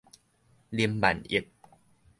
林萬億